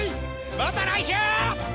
また来週！